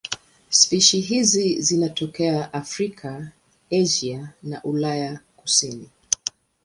Spishi hizi zinatokea Afrika, Asia na Ulaya ya kusini.